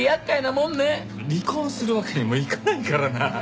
離婚するわけにもいかないからな。